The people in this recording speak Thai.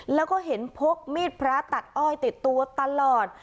แล้วก็เห็นพกมีดพระตัดอ้อยติดตัวตลอด